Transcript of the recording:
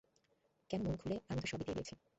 কেন, মন খুলে আমি তো সবই দিয়ে দিয়েছি।